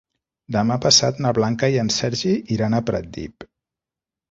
Demà passat na Blanca i en Sergi iran a Pratdip.